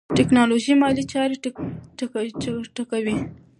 ټیکنالوژي مالي چارې چټکوي.